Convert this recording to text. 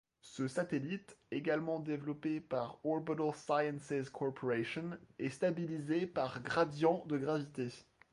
Ce satellite, également développé par Orbital Sciences Corporation, est stabilisé par gradient de gravité.